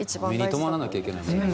目に留まらなきゃいけないもんな。